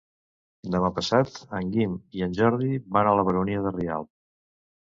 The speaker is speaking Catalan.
Demà passat en Guim i en Jordi van a la Baronia de Rialb.